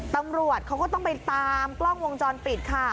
ตำรวจเขาก็ต้องไปตามกล้องวงจรปิดค่ะ